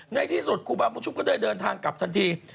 ในที่สุดครูบาบุญชุมก็ได้เดินทางกลับทันที